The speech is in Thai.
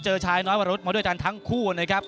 เจอชายน้อยวรรุทมาด้วยทั้งทั้งคู่เลยครับ